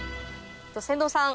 船頭さん